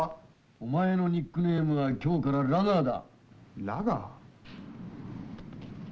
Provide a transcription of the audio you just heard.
お前のニックネームは今日からラガーだ。